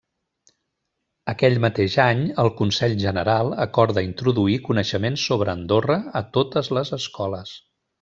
Aquell mateix any, el Consell General acorda introduir coneixements sobre Andorra a totes les escoles.